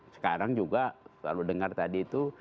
sekarang juga kalau dengar tadi itu